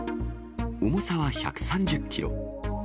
重さは１３０キロ。